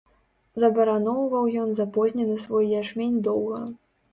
Забараноўваў ён запознены свой ячмень доўга.